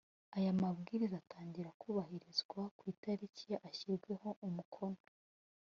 aya mabwiriza atangira kubahirizwa ku itariki ashyiriweho umukono